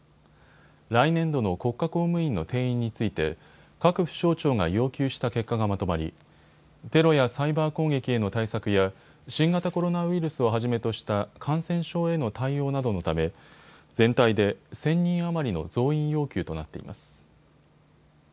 来年度の国家公務員の定員について各府省庁が要求した結果がまとまりテロやサイバー攻撃への対策や新型コロナウイルスをはじめとした感染症への対応などのため全体で１０００人余りの増員要求となっています。